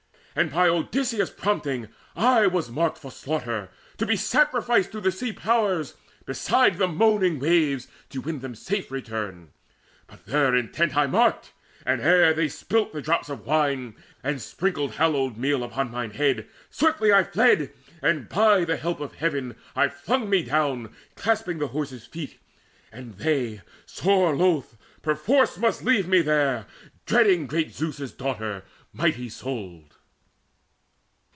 And by Odysseus' prompting I Was marked for slaughter, to be sacrificed To the sea powers, beside the moaning waves, To win them safe return. But their intent I marked; and ere they spilt the drops of wine, And sprinkled hallowed meal upon mine head, Swiftly I fled, and, by the help of Heaven, I flung me down, clasping the Horse's feet; And they, sore loth, perforce must leave me there Dreading great Zeus's daughter mighty souled."